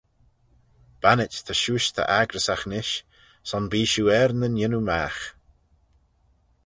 Bannit ta shiuish ta accryssagh nish: son bee shiu er nyn yannoo magh.